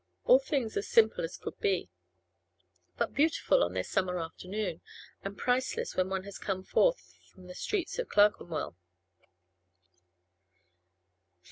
All things as simple as could be, but beautiful on this summer afternoon, and priceless when one has come forth from the streets of Clerkenwell.